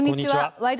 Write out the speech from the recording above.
「ワイド！